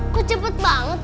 kok cepet banget